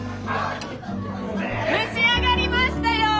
蒸し上がりましたよ！